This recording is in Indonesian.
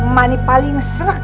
mak nih paling serak